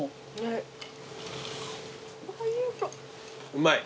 うまい？